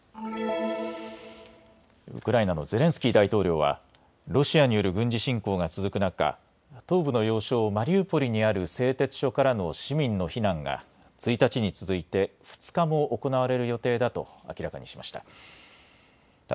ウクライナのゼレンスキー大統領はロシアによる軍事侵攻が続く中、東部の要衝マリウポリにある製鉄所からの市民の避難が１日に続いて２日も行われる予定だと明らかにしました。